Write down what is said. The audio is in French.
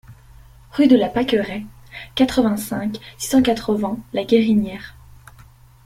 Rue de la Pâqueraie, quatre-vingt-cinq, six cent quatre-vingts La Guérinière